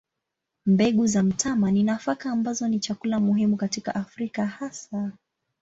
Mbegu za mtama ni nafaka ambazo ni chakula muhimu katika Afrika hasa.